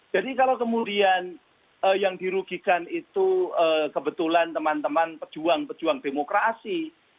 jadi kalau kemudian yang dirugikan itu kebetulan teman teman pejuang pejuang demokrasi